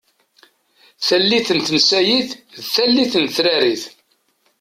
Tallit n tensayit d tallit n tetrarit.